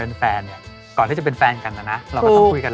ส่งแบบภายเอกการ์ตูนญี่ปุ่น